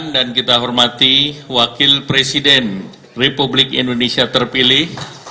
dan kita hormati wakil presiden republik indonesia terpilih